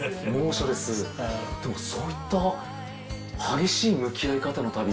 でもそういった激しい向き合い方の旅。